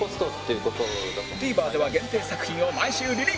ＴＶｅｒ では限定作品を毎週リリース